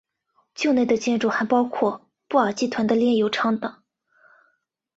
境内的建筑还包括布阿集团的炼油厂等。